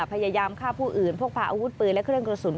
พยายามฆ่าผู้อื่นพกพาอาวุธปืนและเครื่องกระสุน